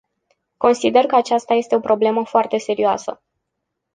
Consider că aceasta este o problemă foarte serioasă.